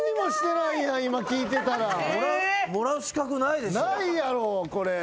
ないやろこれ。